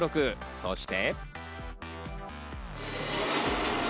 そして。